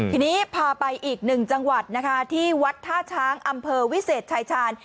ทีนี้พาไปอีกหนึ่งจังหวัดนะคะที่วัดท่าช้างอำเภอวิเศษชายชาญ